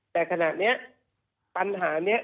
แต่ขณะนี้ปัญหานี้